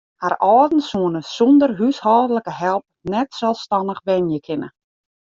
Har âlden soene sûnder húshâldlike help net selsstannich wenje kinne.